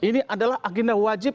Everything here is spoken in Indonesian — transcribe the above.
ini adalah agenda wajib